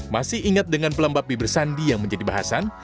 masih ingat dengan pelembab bibir sandi yang menjadi bahasan